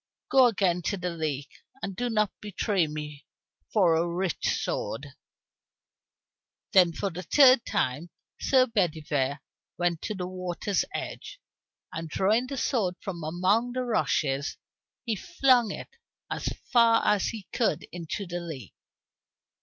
Go again to the lake, and do not betray me for a rich sword." Then for the third time Sir Bedivere went to the water's edge, and drawing the sword from among the rushes, he flung it as far as he could into the lake.